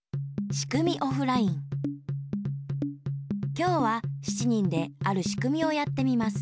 今日は７人であるしくみをやってみます。